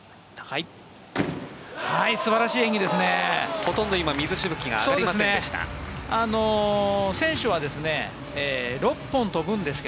素晴らしい演技ですね。